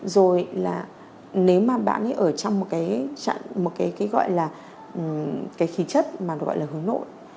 rồi là nếu mà bạn ấy ở trong một cái gọi là khí chất mà gọi là hướng nội